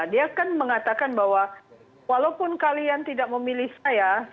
dia kan mengatakan bahwa walaupun kalian tidak memilih saya